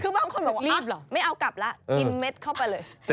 คือบางคนบอกว่าไม่เอากลับแล้วกินเม็ดเข้าไปเลย